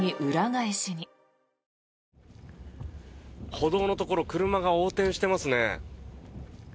歩道のところ車が横転していますね。